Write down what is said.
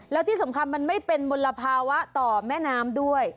แล้วที่สำคัญมันไม่เป็นมลภาวะต่อแม่น้ำด้วย